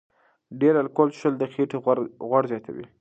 ډېر الکول څښل د خېټې غوړ زیاتوي.